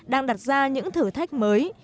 đang đặt ra những thử thách mới